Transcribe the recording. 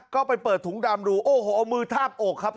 ก็ไปเปิดถุงดำดูโอ้โหเอามือทาบอกครับ